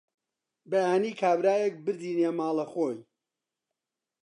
بەیانی کابرایەک بردینیە ماڵە خۆی